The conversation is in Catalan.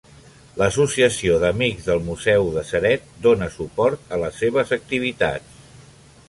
L'associació d'Amics del Museu de Ceret dóna suport a les seves activitats.